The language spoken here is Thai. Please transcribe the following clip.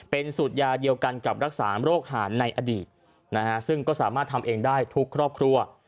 เป็นสูตรยาเดียวกันกับรักษาโรคหารในอดีตนะฮะซึ่งก็สามารถทำเองได้ทุกครอบครัว